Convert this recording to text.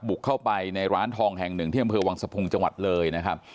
บุกเข้าไปในร้านทองแห่งหนึ่งที่อำเภอวังสะพุงจังหวัดเลยนะครับ